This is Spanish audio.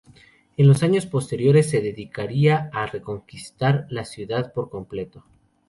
En los años posteriores se dedicaría a reconstruir la ciudad por completo.